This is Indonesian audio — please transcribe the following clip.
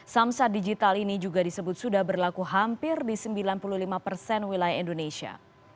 samsat digital ini juga disebut sudah berlaku hampir di sembilan puluh lima persen wilayah indonesia